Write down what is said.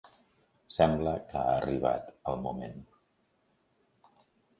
Sembla que ha arribat el moment.